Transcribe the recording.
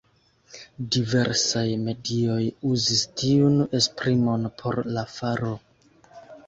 Diversaj medioj uzis tiun esprimon por la faro.